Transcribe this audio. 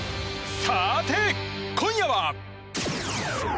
さて、今夜は。